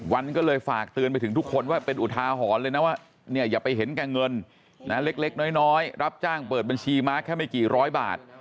วันก็เลยฝากเตือนไปถึงทุกคนว่าเป็นอุทาหรณ์เลยนะว่าเนี่ยอย่าไปเห็นแก่เงินเล็กน้อยรับจ้างเปิดบัญชีม้าแค่ไม่กี่ร้อยบาท